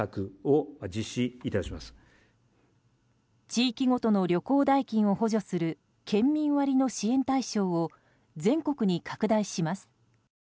地域ごとの旅行代金を補助する県民割の支援対象を全国に拡大します。